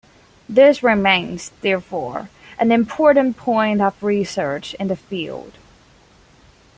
This remains, therefore, an important point of research in the field.